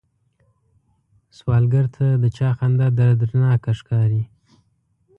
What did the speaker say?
سوالګر ته د چا خندا دردناکه ښکاري